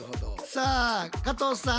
さあ加藤さん。